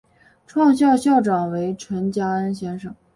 创校校长为陈加恩先生。